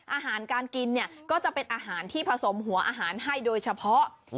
อาหารการกินเนี่ยก็จะเป็นอาหารที่ผสมหัวอาหารให้โดยเฉพาะ